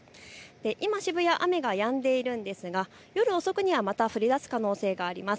今、渋谷、雨がやんでいるんですが夜遅くにはまた降りだす可能性があります。